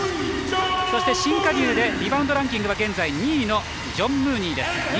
そして、リバウンドランキングは現在２位のジョン・ムーニーです。